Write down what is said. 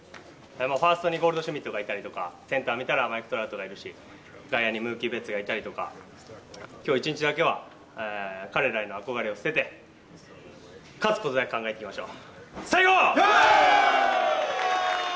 ファーストにゴールドシュミットがいたりとかセンターを見たらマイク・トラウトがいるし外野にムーキー・ベッツがいたりとか今日１日だけは彼らへの憧れを捨てて勝つことだけ考えていきましょうさあ行こう！